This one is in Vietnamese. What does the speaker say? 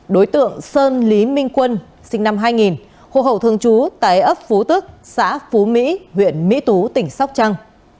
đối tượng sơn lý minh quân sinh năm hai nghìn hồ hậu thường trú tại ấp phú tức xã phú mỹ huyện mỹ tú tỉnh sóc trăng